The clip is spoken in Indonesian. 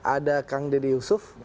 ada kang dede yusuf